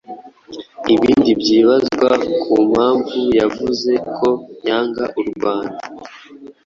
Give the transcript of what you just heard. Ibindi byibazwa ku mpamvu yavuze ko yanga u R wanda,